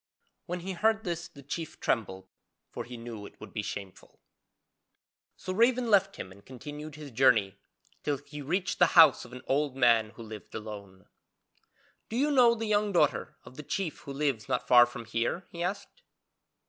When he heard this the chief trembled, for he knew it would be shameful. So Raven left him and continued his journey till he reached the house of an old man who lived alone. 'Do you know the young daughter of the chief who lives not far from here?' he asked.